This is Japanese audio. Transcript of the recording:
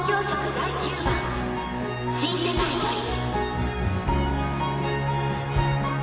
第９番「新世界より」。